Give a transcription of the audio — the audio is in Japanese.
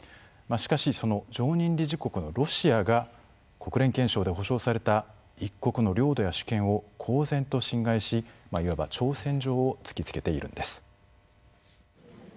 しかしその常任理事国のロシアが国連憲章で保障された一国の領土や主権を公然と侵害しいわば挑戦状を突きつけているんです。